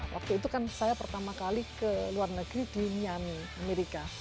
waktu itu kan saya pertama kali ke luar negeri di nyami amerika